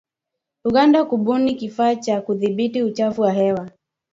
Uganda kubuni kifaa cha kudhibiti uchafuzi wa hewa.